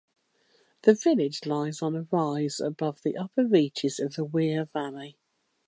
The village lies on a rise above the upper reaches of the Wear valley.